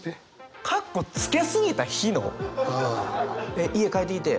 えっ家帰ってきて？